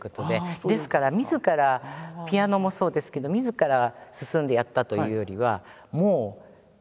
ですからみずからピアノもそうですけどみずから進んでやったというよりはもうなるほど。